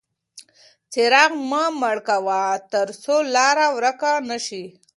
څراغ مه مړ کوه ترڅو لاره ورکه نه شي.